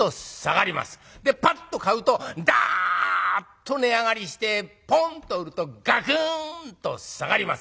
でパッと買うとダッと値上がりしてポンと売るとガクンと下がります。